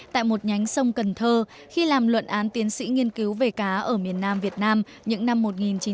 tại một nhánh sông cần thơ khi làm luận án tiến sĩ nghiên cứu về cá ở miền nam việt nam những năm một nghìn chín trăm bảy mươi